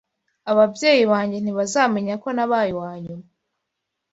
ababyeyi banjye ntibazamenya ko nabaye uwanyuma